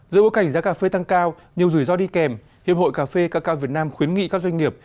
giữa bối cảnh giá cà phê tăng cao nhiều rủi ro đi kèm hiệp hội cà phê cà cao việt nam khuyến nghị các doanh nghiệp